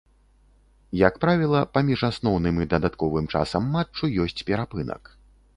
Як правіла, паміж асноўным і дадатковым часам матчу ёсць перапынак.